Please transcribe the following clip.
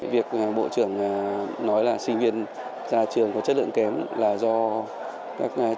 việc bộ trưởng nói là sinh viên ra trường có chất lượng kém là do các trường